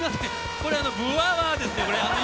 これあの「ブワワー」ですよ。